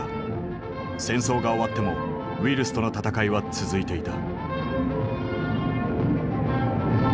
戦争が終わってもウイルスとの闘いは続いていた。